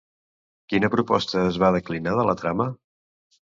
Quina proposta es va declinar de la trama?